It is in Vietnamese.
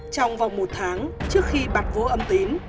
trong vòng một tháng trước khi bật vô âm tín